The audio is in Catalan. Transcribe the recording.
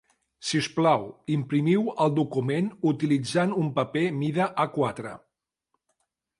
Si us plau, imprimiu el document utilitzant un paper mida A-quatre.